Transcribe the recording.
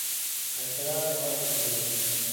اختلاف یو اصل بولي.